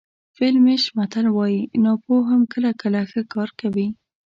فلیمیش متل وایي ناپوه هم کله کله ښه کار کوي.